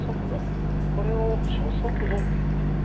これを初速度っていうんだ。